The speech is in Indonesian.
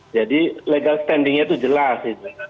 jadi legal standingnya itu jelas